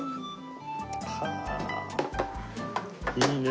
いいね